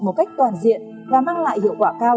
một cách toàn diện và mang lại hiệu quả cao